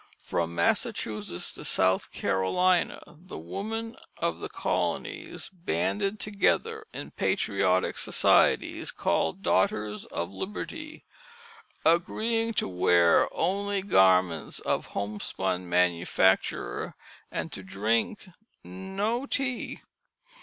From Massachusetts to South Carolina the women of the colonies banded together in patriotic societies called Daughters of Liberty, agreeing to wear only garments of homespun manufacture, and to drink no tea.